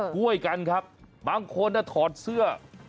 ช่วยกันครับบางคนถอดเสื้อ